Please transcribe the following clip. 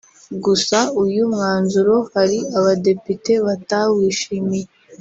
Gusa uyu mwanzuro hari abadepite batawishimiye